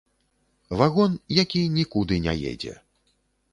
Вагон, які нікуды не едзе.